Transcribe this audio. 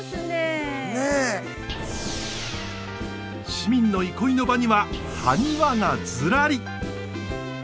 市民の憩いの場にはハニワがずらり！